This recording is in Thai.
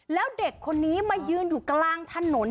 แล้วเด็กคนนี้มายืนอยู่กลางถนน